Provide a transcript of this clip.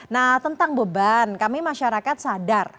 nah tentang beban kami masyarakat sadar